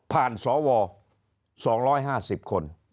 ผ่านสว๒๕๐คน